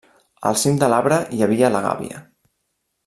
Al cim de l'arbre hi havia la gàbia.